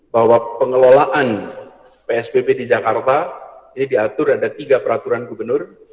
bahwa pengelolaan psbb di jakarta ini diatur ada tiga peraturan gubernur